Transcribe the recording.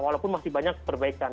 walaupun masih banyak seperbaikan